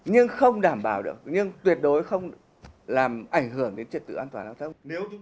nhưng không đảm bảo được nhưng tuyệt đối không làm ảnh hưởng đến trật tự an toàn giao thông